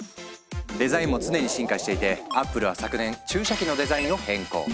デザインも常に進化していてアップルは昨年注射器のデザインを変更。